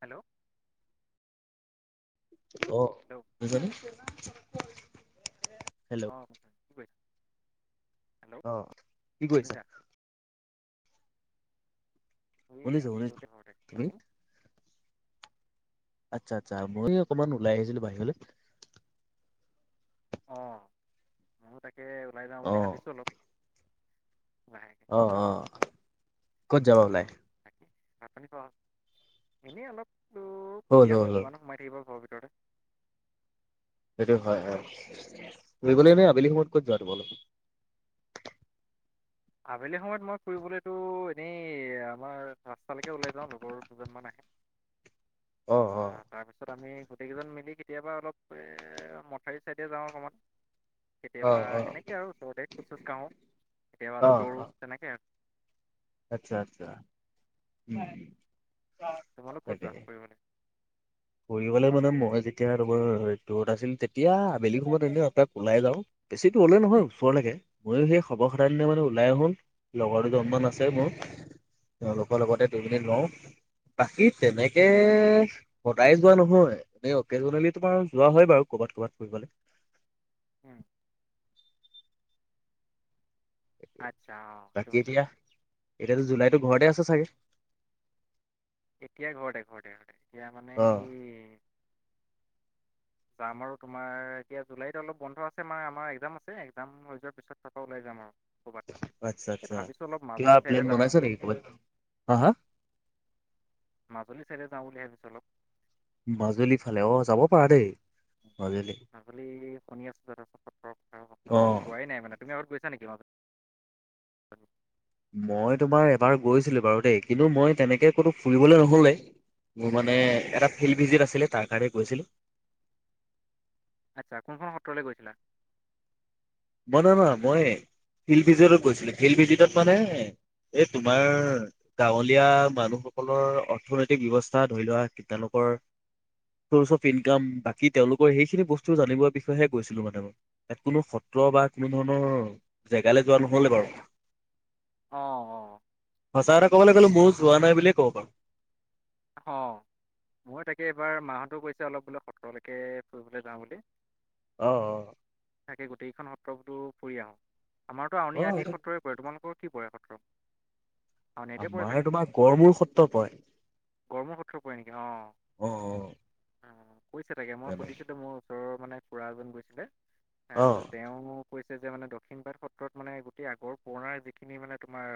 Hello অ'হ hello [unintelligible] অঁহ অ' কি কৰিছা? শুনিছা এই শুনিছো আছিলো শুনিছোঁ দে ঘৰতে হু তুমি আচ্ছা, আচ্ছা, মই এই অকমান ওলাই আহিছিলোঁ, বাহিৰলে। অঁ, ময়ো তাকে ওলাই যাওঁ অ বুলি ভাবিছোঁ, অলপ। অ', যাম আৰু অ', ক'ত যাবা ওলাই? হয়, ভাত পানী খোৱা হ'ল? এনেই অলপ হ'ল ফুৰি হ'ল আহোঁ, হ'ল কিমান ন সোমাই থাকিবা ঘৰৰ ভিতৰতে। সেইটোৱে, হয়, হয়, ফুৰিবলৈ এনেই আবেলি সময়ত ক'ত যোৱা তোমালোক? আবেলি সময়ত মই ফুৰিবলেতো এনেই আমাৰ ৰাস্তালৈকে ওলাই যাওঁ, লগৰ দুজনমান আহে। অ অ আহ, তাৰপিছত আমি গোটেইকেইজন মিলি কেতিয়াবা অলপ এঁ মথাউৰি ছাইডে যাওঁ অকনমান। অ কেতিয়াবা অ সেনেকে আৰু ওচৰতে খোজ চোজ কাঢ়ো, কেতিয়াবা অ অলপ অ দৌৰোঁ তেনেকে আও। আচ্ছা আচ্ছা উম তোমালোক ক'ত যোৱা তাকেহে ফুৰিবলৈ [unintelligible] ফুৰিবলৈ মানে মই যেতিয়া তোমাৰ দূৰত আছিল তেতিয়া আবেলি সময়ত এনেই এপাক ওলাই যাওঁ। বেছি দূৰে নহয় ওচৰলেকে ময়ো সেই খবৰ সাধাৰণ দিনা মানে আহো লগৰটো দুজনমান আছে আছে মোৰ তেওঁলোকৰ লগতে দুই মিনিট লওঁ। বাকী তেনেকে আচ্ছা সদায় যোৱা নহয়, এনেই অকেজনেলি তোমাৰ যোৱা হয় বাৰু ক'বাত ক'ৰবাত ফুৰিবলে উম উ উ আচ্ছা অ' সেইটো বাকী কথা। এতিয়া, এতিয়াতো জুলাইতো ঘৰতে আছে চাগে? এতিয়া ঘৰতে ঘৰতে মানে এয়া মানে অ এই যাম আৰু তোমাৰ এতিয়া জুলাইত অলপ বন্ধ আছে, মানে একজাম আছে একজাম হৈ যোৱাৰ পিছত থকা যাম আৰু। আচ্ছা ক'বাত। এই আচ্ছা ভাবিছোঁ অলপ কিবা মাজুলী প্লেন চাইডে যাওঁ বনাইছা নেকি? ক'বাত হা হা মাজুল চাইদে যাওঁ বুলি ভাবিছো অলপ। মাজুলীৰ ফালে অ' যাব পাৰা দেই। মাজুলী আবেলি শুনি আছো, দাদা সত্ৰৰ অ সত্ৰ মই যোৱাই নাই মানে তুমি আগত গৈছা নেকি মাজুল মই তোমাৰ এবাৰ গৈছিলো বাৰু দেই, কিন্তু মই তেনেকে ক'তো ফুৰিবলে নহ'লেই মোৰ মানে এটা ফিল্ড ভিজিট আছিলে তাৰ কাৰণে গৈছিলো। আচ্ছা কোনখন সত্ৰলে গৈছিলা? মই নহয় নহ মই ফিল ভিজিত গৈছিলো, ফিল ভিজিতত মানে এই তোমাৰ গাঁৱলীয়া মানুহসকলৰ অৰ্থনৈতিক ব্যৱস্থা ধৰি লোৱা তেওঁলোকৰ চ'ৰ্চ অফ ইনকাম, বাকী তেওঁলোকৰ সেইখিনি বস্তু জানিবৰ বিষয়েহে গৈছিলোঁ মানে মই ইয়াত কোনো সত্ৰ বা কোনো ধৰণৰ জেগালে যোৱা নহ'লে বাৰু অ' অ' সঁচা এটা ক'বলে গ'লো ময়ো যোৱা নাই বুলিয়ে ক'ব পাৰো। অ' মই তাকে এবাৰ মাহঁতো কৈছে অলপ বোলে সত্ৰলেকে ফুৰিবলৈ যাওঁ বুলি। অঁ অঁ। তাকে গোটেইখন সত্ৰ বোলো ফুৰি আহো আমাৰতো অ অ আউনী অতি সেইটো সত্ৰৰে পৰে। তোমালোকৰ কি পৰে সত্ৰ? আউনীআটীয়ে পৰে আমাৰ চাগে তোমাৰ গড়মূৰ সত্ৰ পৰে। গড়মূৰ সত্ৰ পৰে নেকি অঁ। অ। অ অ কৈছে তাকে মই তেনে সুধিছিলো মোৰ ওচৰৰ মানে খুড়া এজন গৈছিলে। এ অ ত তেওঁ কৈছে যে মানে দক্ষিণ পাৰত সত্ৰত মানে গোটেই আগৰ পুৰণাৰ যিখিনি মানে তোমাৰ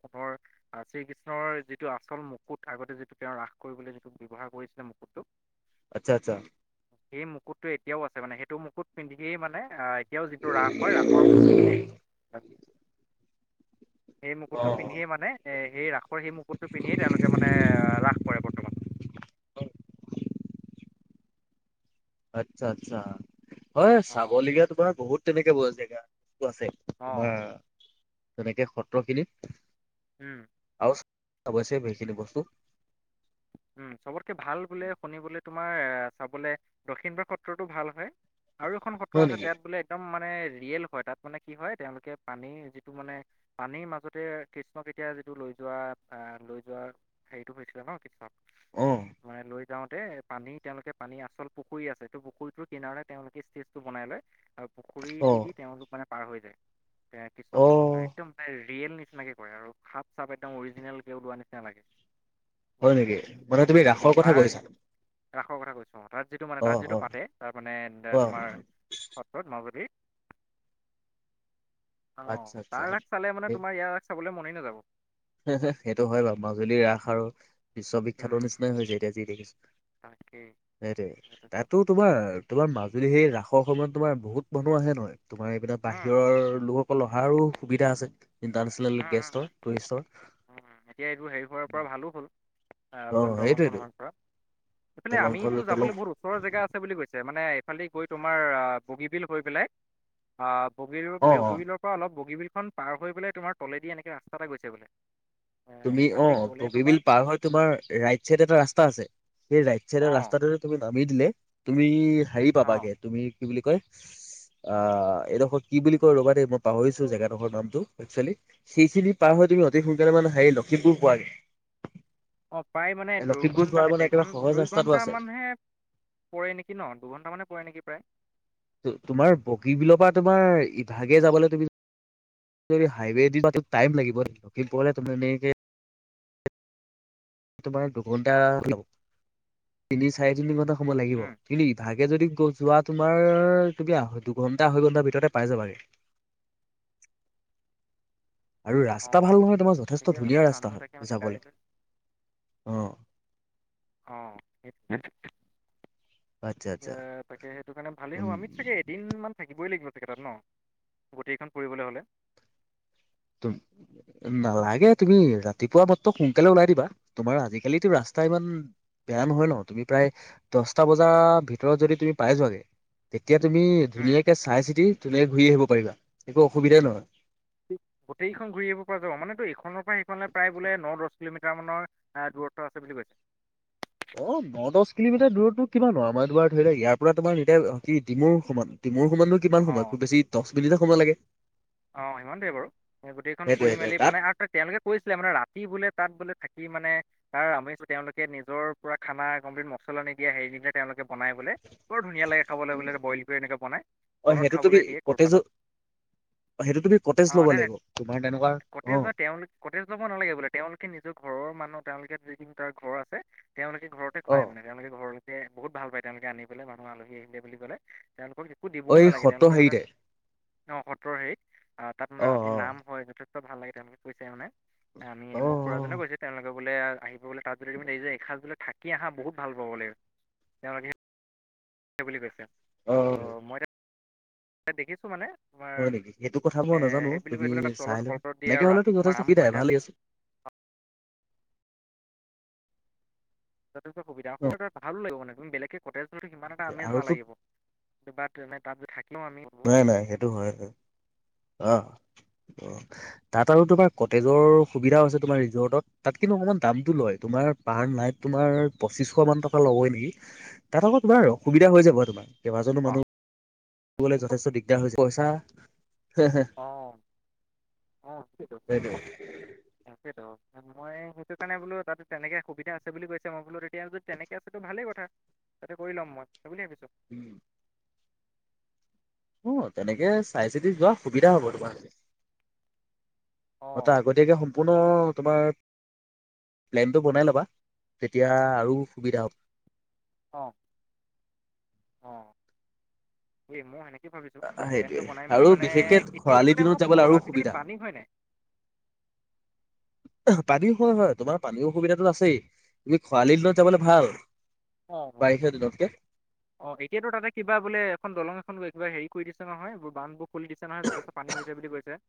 সোণৰ আ শ্ৰীকৃষ্ণৰ যিটো আচল মুকুত আগতে যিটো তেওঁ ৰাস কৰিবলৈ যিটো ব্যৱহাৰ কৰিছিলে মুকুটোক। আচ্ছা আচ্ছা। সেই মুকুটো এতিয়াও আছে মানে সেইটো মুকুত পিন্ধিয়েই মানে এতিয়াও যিটো ৰাস হয় ৰাসৰ সেই অ অ মুকুটটো পিন্ধিয়ে মানে এই ৰাসৰ মুকুটটো পিন্ধিয়েই তেওঁলোকে মানে ৰাস বৰ্তমান। হয়। আচ্ছা আচ্ছা। হয় অঁ চাবলগীয়া তোমাৰ বহুত তেনেকে ব জেগা বস্তু আছে। অঁ তোমাৰ তেনেকে সত্ৰ খিনিত উম আৰু চাব আছে সেইখিনি বস্তু উম চবতকে ভাল বোলে শুনিবলৈ তোমাৰ চাবলে দক্ষিণবাগ সত্ৰতো ভাল হয় আৰু এখন সত্ৰ হয় আছে নেকি তাত বোলে একদম মানে ৰিয়েল হয় তাত মানে কি হয় তেওঁলোকে পানীৰ যিটো মানে পানীৰ মাজতে কৃষ্ণক এতিয়া যিটো লৈ যোৱা আহ লৈ যোৱা সেইটো হৈছিলে ন কৃষ্ণক অ। মানে লৈ যাওঁতে পানী তেওঁলোকে পানী আচল পুখুৰী আছে ত' পুখুৰীটোৰ কিনাৰতে তেওঁলোকে ষ্টেজটো বনাই লয় আৰু অ পুখুৰীতেদি তেওঁলোক মানে পাৰ হৈ যায় এ অ কৃষ্ণক লগত লৈ একদম এ ৰিয়েল নিচিনাকে কৰে আৰু সাপ চাপ একদম অৰিজিনেলকে ওলোৱা নিচিনা লাগে। বহুত হয় নেকি ধুনীয়াকে মানে তুমি অঁ ৰাসৰ কথা তাৰ কৈছা? ৰাসৰ কথা কৈছো তাত যিটো মানে অ তাত যিটো অ পাতে তাৰ মানে অ তোমাৰ সত্ৰত মাজুলী অঁ আচ্ছা আচ্ছা তাৰ ৰাস চালে মানে সেই তোমাৰ ইয়াৰ ৰাস চাবলে মনেই নাযাব। সেইটো হয় বাৰু মাজুলীৰ ৰাস আৰু বিশ্ববিখ্যাতৰ উম নিচিনাই হৈছে এতিয়া যি দেখিছো। তাকেই সেইতোৱে যথেষ্ট ভাল তাতোটো তোমাৰ, তোমাৰ মাজুলী সেই ৰাসৰ সময়ত তোমাৰ বহুত মানুহ আহে নহয় তোমাৰ এইবিলাক উম বাহিৰৰ লোক সকল অহাৰো সুবিধা আছে ইণ্টাৰনেচনেল উম উম গেষ্টৰ উম টুৰিষ্টৰ উম এতিয়া এইটো হেৰি হোৱাৰ পৰা ভালো হ'ল। আহ অ বল দলংখন সেইটোৱেতো হোৱাৰ পৰা সেইফালে দলং খনলৈ আমিতো দলং যাবলৈ বৰ ওচৰৰ জেগা আছে বুলি কৈছে মানে এইফালে দি গৈ তোমাৰ বগীবিল হৈ পেলাই অ বগী অ অ বগীবিলৰ পৰা অলপ বগীবিলখন পাৰ হৈ পেলাই তোমাৰ তলেদি এনেকে ৰাস্তা এটা গৈছে বোলে এ, তুমি অ সেইফালেদি গ'লে তোমাৰ বগীবিল পাৰ হৈ তোমাৰ ৰাইট চাইড এটা ৰাস্তা আছে সেই ৰাইট চাইডৰ অঁ ৰাস্তাটো তুমি নামি দিলে তুমি হেৰি পাবাগে অঁ তুমি কি বুলি কয় আহ এইডোখৰ কি বুলি কয় ৰ'বা দেই মই পাহৰিছো জেগাডোখৰ নামটো একচুৱেলি সেইখিনি পাৰ হৈ তুমি অতি সোনকালে মানে হেৰি লখিমপুৰ পোৱাগে। অঁ প্ৰায় মানে লখিমপুৰ দুৰ্ঘণ্টা যোৱাৰ মানে একেবাৰে ডেৰঘ সহজ ৰাস্তাটো আছে দুইঘণ্টামানহে পৰে নেকি ন দুঘণ্টামানে পৰে নেকি প্ৰায় তোমাৰ বগী বিলৰ পৰা তোমাৰ ইভাগে যাবলৈ তুমি যদি হাইৱে দি যদি টাইম লাগিব লক্ষীমপুৰলে তুমি এনেকে তোমাৰ দুঘণ্টা লব তিনি চাৰি তিনি ঘণ্টা সময় লাগিব অঁ কিন্তু ইভাগে যদি যোৱা তোমাৰ তুমি দুঘণ্টা আঢ়ৈ ঘণ্টাাৰ ভিতৰতে পাই যাবাগে আৰু ৰাস্তা অঁ ভাল নহয় তোমাৰ যথেষ্ট গতিকে ধুনীয়া ভাবিছোঁ ৰাস্তা আমিও তাকে হয় মানে গাড়ী যাবলৈ লৈ অ অ সেইটোৱে আচ্ছা আচ্ছা তাকে সেইটো কাৰণে ভালেই হ'ব উম আমি চাগে তিনদিন মান থাকিবই লাগিব চাগে তাত ন গোটেইখন ফুৰিবলৈ হ'লে তুম নালাগে তুমি ৰাতিপুৱা মাত্ৰ সোনকালে ওলাই দিবা তোমাৰ আজিকালোটো ৰাস্তা ইমান বেয়া নহয় ন তুমি প্ৰায় দহটা বজাৰ ভিতৰত যদি তুমি পাই যোৱাগে তেতিয়া তুমি উম ধুনীয়াকে চাই চিতি ধুনীয়াকে ঘূৰি আহিব পাৰিবা একো অসুবিধাই নহয় গোটেইখন ঘূৰি আহিব পৰা যাব মানেতো এইখনৰ পৰা সেইখনলৈ প্ৰায় বোলে ন দহ কিলোমিটাৰমানৰ অহ দূৰত্ত্ব আছে বুলি কৈছে অ ন দহ কিলোমিটাৰ দূৰত্বতো কিমান নো আমাৰ ইয়াৰ পৰা ধৰি লোৱা ইয়াৰ পৰা তোমাৰ এতিয়া কি ডিমৌৰ সমান ডিমৌৰ সমানটো কিমান অঁ সময় খুব বেছি দহ মিনিটে সময় লাগে অঁ সিমানটোৱে বাৰু গোটেইখন সেইটোৱে ফুৰি সেইটোৱে মেলি তাত মানে আৰু তেওঁলোকে কৈছিলে মানে ৰাতি বোলে তাত বোলে থাকি মানে তাৰ আমিষ তেওঁলোকে নিজৰ পুৰা খানা কমপ্লিট মছলা নিদিয়া হেৰি নিদিয়ে তেওঁলোকে বনাই বোলে বৰ ধুনীয়া লাগে খাবলৈ বোলে বইল কৰি এনেকৈ বনাই অ তলত সেইটো তুমি খাবলৈ দিয়ে কটেজত কলপাতত সেইটো তুমি কতেজ অঁ ল'ব নাই নাই লাগিব তোমাৰ তেনেকুৱা কটেজ অ নহয় তেওঁলোকে কটেজ ল'ব নালাগে বোলে তেওঁলোকে নিজৰ ঘৰৰ মানুহ তেওঁলোকে যিখিন তাৰ ঘৰ আছে তেওঁলোকে ঘৰত অ খোৱাই মানে তেওঁলোকে ঘৰলৈকে বহুত ভাল পায় তেওঁলোকে আনি পেলে মানুহ আলহী আহিলে বুলি ক'লে তেওঁলোকক একো অ দিবও এই নালাগে সত্ৰ তেওঁলোকে মানে হেৰিতে অঁ সত্ৰৰ হেৰিত অ তাত মানে ৰাতি নাম হয় যথেষ্ট ভাল লাগে তেওঁলোকে কৈছে মানে আমি অ মোৰ খুড়াজনে গৈছে তেওঁলোকে বোলে আহিব বোলে তাত যদি এসাঁজ থাকি আহা বহুত ভাল পাব বোলে তেওঁলোকে সেই বুলি কৈছে অ অ ত' মই দেখিছোঁ মানে তোমাৰ হয় নেকি সেইটো কথা এ মই নাজানো সেইবোলি তুমি কৈ পেলাই ত চাই তলত লবা কলপত দিয়ে এনেকে আৰু হলেতো ৰাতি যথেষ্ট তোমাৰ আৰাম সুবিধাই হয় তাত ভালেই আছে যথেষ্ট সুবিধা ন অুবিধা ভাল লাগিব মানে বেলেগে কটেজ লৈও সিমান এটা আমেজ আৰুতো নালাগিব সি বাৰ তাত গৈ থাকিলেও আমি বহুত নাই নাই সেইটো হয় অ তাত আৰু তোমাৰ কটেজৰ সুবিধাও আছে তোমাৰ ৰিজৰ্টত তাত কিন্তু অকমান দামটো লয় তোমাৰ পাৰ নাইট তোমাৰ পঁচিশ মান টকা ল'ব নেকি তাত আকৌ তোমাৰ অসুবিধা হৈ যাব তোমাৰ কেইবাজনো মানুহ পাওঁ থাকিবলৈ যথেষ্ট দিগদাৰ হৈ যায় পইচা অঁ অঁ সেইটো তাকেতো মই সেইটো কাৰণে বোলো তাত তেনেকে সুবিধা আছে বুলি কৈছে মই বোলো তেতিয়া যদি তেনেকে আছে টো ভালে কথা তাতে কৰি ল'ম মই সেই বোলি ভাবিছোঁ ওম অ তেনেকে চাই চিতি যোৱা সুবিধা হ'ব তোমাৰে এটা অঁ আগতীয়া কে হোম সম্পূৰ্ণ তোমাৰ প্লেনটো বনাই ল'বা তেতিয়া আৰু সুবিধা হ'ব অ এই মই সেনেকে ভাবিছো প্লেনটো সেইটোৱে বনাই মেলি আৰু মানে বিশেষকে কেতিয়া খৰালি এইটো দিনত টাইমত যাবলৈ আৰু আজিকালি সুবিধা পানী হয় নাই [inaudible] পানী হয়, হয়, তোমাৰ পানী অসুবিধাতোটো আছেই তুমি খৰালিৰ দিনত যাবলৈ ভাল। অ'। বাৰিষা দিনতকে অ', এতিয়াতো তাতে কিবা বোলে এখন দলং এখন কিবা হেৰি কৰি দিছে নহয় এইোৰ বান বু খুলি দিছে নহয়, যথেষ্ট পানী হৈছে বুলি কৈছে।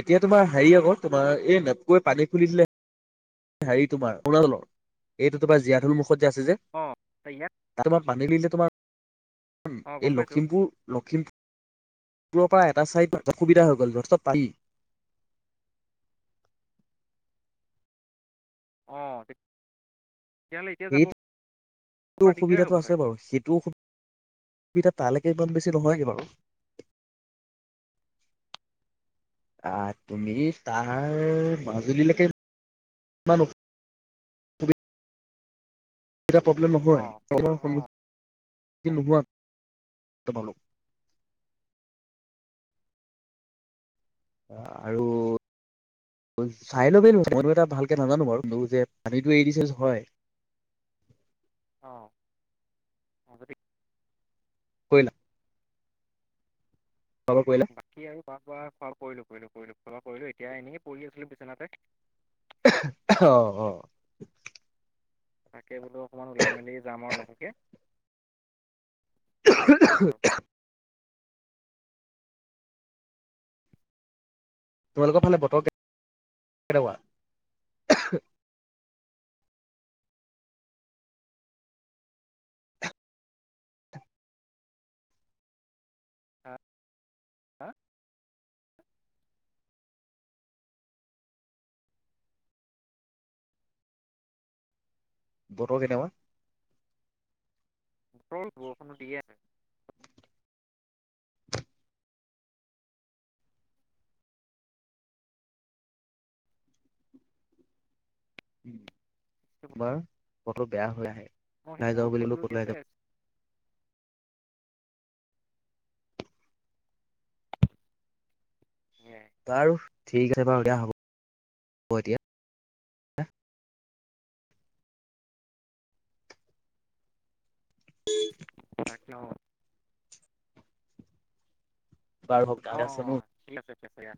এতিয়া তোমাৰ হেৰি আকৌ তোমাৰ এই নেপকুৱে পানী খুলি দিলে। হেৰি তোমাৰ অৰুণাচলৰ, এইটো তোমাৰ জীয়াঢুল মুখত যে আছে যে। অ'। [unintelligible] তাত তোমাৰ পানী [unintelligible] দিলে তোমাৰ অঁ গম এই পাইছোঁ লখিমপুৰ লখিমপুৰ পূুৰৰ পৰা এটা ছাইডত অসুবিধা হৈ গ'ল যথেষ্ট পানী। অ', তে সেইটোটো পৰা দিগদাৰ অসুবিধাটো হ'ব আছে চাগে বাৰু সেইটো অসুবিধ ধা তালৈকে ইমান বেছি নহয় গে বাৰু। আহ, তুমি তাৰ মাজুলীলৈকে [unintelligible] [unintelligible] প্ৰব্লেম নহয়, অঁ অঁ [unintelligible] অঁ সন্মুখীন নোহোৱা তোমালোক। অ', আৰু চাই ল'বেই মইটো এটা ভালকে নাজানো বাৰু যে পানীটো এৰি দিছে যে হয়। অ', [unintelligible] কৰিলা? খোৱা-বোৱা কৰিলা? বাকী আৰু খোৱা-বোৱা কৰিলো কৰিলো কৰিলো খোৱা-বোৱা কৰিলো এতিয়া এনে পৰি আছিলো বিছনাতে। অ', অ'। তাকে বোলো অকনমান ওলাই মেলি যাম আৰু লাহেকৈ, ভাবিছোঁ আৰু। তোমালোকৰ ফালে বতৰ কেনেকোৱা? হা? বতৰ কেনেকুৱা? বতৰ বৰষুণতো দিয়ে আছে। উ, বাৰু বতৰ বেয়া হৈ আহে মই ওলাই যাওঁ বৰষুণ বুলিলো বোলো দি আছে [unintelligible] [unintelligible] বাৰু ঠিক আছে বাৰু দিয়া হ'ব, হ'ব এতিয়া। তাকে অ'। বাৰু কাম এটা আছে মোৰ। অ', [unintelligible]